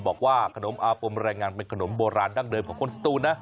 บอกว่าขนมอาปมแรงงานเป็นขนมโบราณดั้งเดิมของคนสตูนนะ